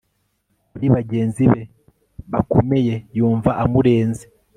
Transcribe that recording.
Kuri bagenzi be bakomeye yumva amurenze